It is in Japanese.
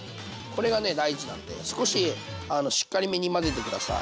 これがね大事なんで少ししっかりめに混ぜて下さい。